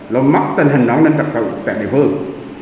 lộn mất tình hình nổi lên tập tục tại địa phương